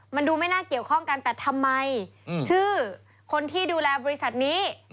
มันดูไม่น่าเกี่ยวข้องกันแต่ทำไมชื่อคนที่ดูแลบริษัทนี้